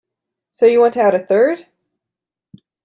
So you want to add a third?